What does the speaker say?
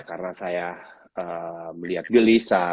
karena saya melihat gelisah